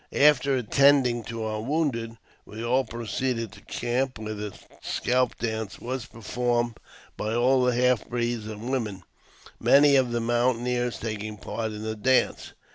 After attending to our wounded, we all proceeded to camp, where the scalp dance was performed by all the half breeds and women, many of the mountaineers taking part in the dance.